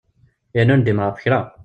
Yerna ur ndimeɣ ɣef kra.